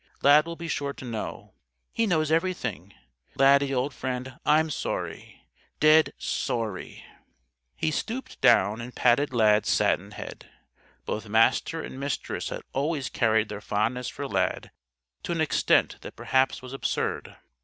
Lad will be sure to know. He knows everything. Laddie, old friend, I'm sorry. Dead sorry." He stooped down and patted Lad's satin head. Both Master and Mistress had always carried their fondness for Lad to an extent that perhaps was absurd.